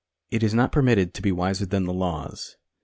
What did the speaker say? It is not permitted to be wiser than the laws.